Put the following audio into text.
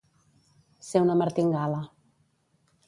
Ser una martingala.